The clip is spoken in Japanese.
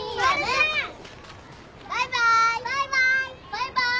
バイバイ。